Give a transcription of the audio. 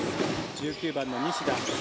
１９番の西田。